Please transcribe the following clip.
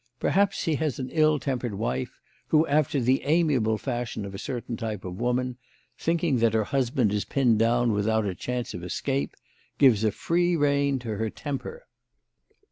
Perhaps he has an ill tempered wife, who, after the amiable fashion of a certain type of woman, thinking that her husband is pinned down without a chance of escape, gives a free rein to her temper.